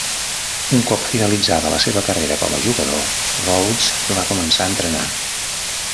Un cop finalitzada la seva carrera com a jugador, Rhodes va començar a entrenar.